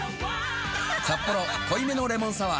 「サッポロ濃いめのレモンサワー」